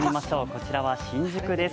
こちらは新宿です。